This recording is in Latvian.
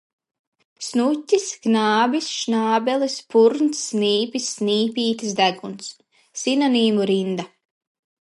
Snuķis, knābis, šnābelis, purns, snīpis, snīpītis, deguns. Sinonīmu rinda.